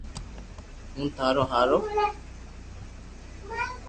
ھون ٿارو ھارو